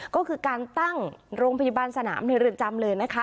ก็คือการตั้งโรงพยาบาลสนามในเรือนจำเลยนะคะ